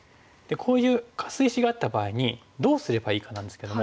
こういうカス石があった場合にどうすればいいかなんですけども。